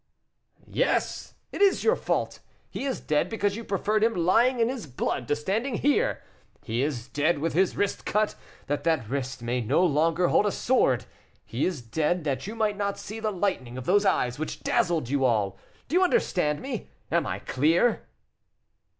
"Yes, it is your fault; he is dead because you preferred him lying in his blood to standing here; he is dead, with his wrist cut, that that wrist might no longer hold a sword; he is dead, that you might not see the lightning of those eyes, which dazzled you all. Do you understand me? am I clear?"